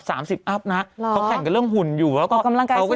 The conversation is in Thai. สามสิบอัพนะเขาแข่งกับเรื่องหุ่นอยู่แล้วก็ออกกำลังกายเขาก็